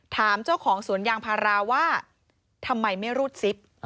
ถามเจ้าของสวนยางพาราว่าทำไมไม่รูดซิป